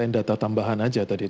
data tambahan aja tadi